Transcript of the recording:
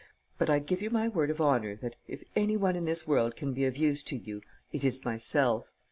But I give you my word of honour that, if any one in this world can be of use to you, it is myself.